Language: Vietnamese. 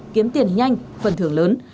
kiếm tiền nhanh phần thưởng lớn